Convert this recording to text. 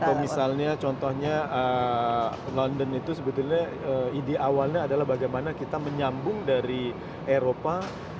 atau misalnya contohnya london itu sebetulnya ide awalnya adalah bagaimana kita menyambung dari eropa